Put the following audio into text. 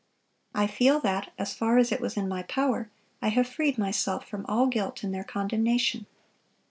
I feel that, as far as it was in my power, I have freed myself from all guilt in their condemnation."